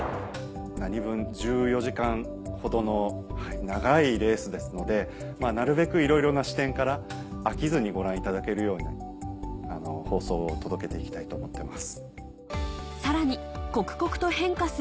なにぶん１４時間ほどの長いレースですのでなるべくいろいろな視点から飽きずにご覧いただけるような放送を届けて行きたいと思ってます。